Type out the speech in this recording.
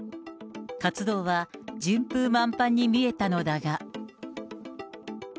活動は順風満帆に見えたのだが。